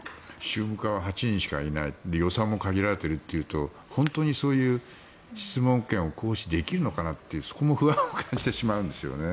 宗務課は８人しかいないまた予算も限られているというと本当に質問権を行使できるかそこも不安を感じてしまうんですよね。